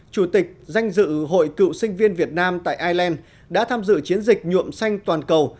chủ tịch danh dự hội cựu sinh viên việt nam tại ireland đã tham dự chiến dịch nhuộm xanh toàn cầu